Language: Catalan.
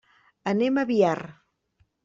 Anem a Biar.